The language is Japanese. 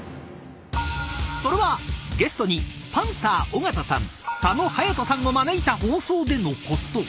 ［それはゲストにパンサー尾形さん佐野勇斗さんを招いた放送でのこと］